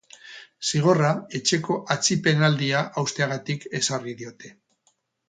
Zigorra, etxeko atzipenaldia hausteagatik ezarri diote.